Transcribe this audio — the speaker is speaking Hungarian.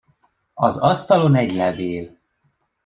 Az asztalon egy levél.